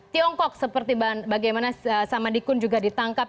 tiongkok seperti bagaimana samadikun juga ditangkap